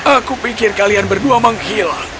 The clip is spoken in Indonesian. aku pikir kalian berdua menghilang